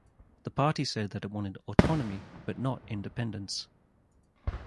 The party said that it wanted autonomy but not independence.